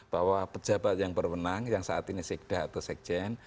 bahwa pejabat yang berwenang yang saat ini sekda atau sekjen